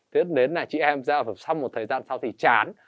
tiếp đến là chị em giao hợp xong một thời gian sau thì chán